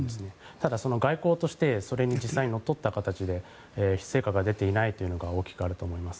ただその外交としてそれに実際にのっとった形で成果が出ていないというのが大きくあると思います。